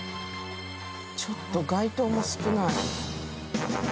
ちょっと街灯も少ない。